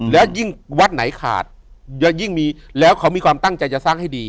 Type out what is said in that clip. แล้วยิ่งวัดไหนขาดยิ่งมีแล้วเขามีความตั้งใจจะสร้างให้ดี